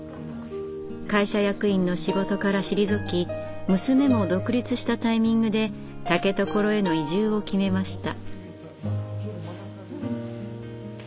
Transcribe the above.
会社役員の仕事から退き娘も独立したタイミングで竹所への移住を決めました。